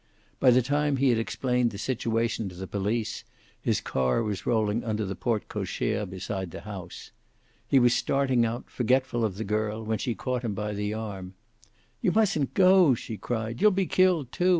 By the time he had explained the situation to the police, his car was rolling under the porte cochere beside the house. He was starting out, forgetful of the girl, when she caught him by the arm. "You mustn't go!" she cried. "You'll be killed, too.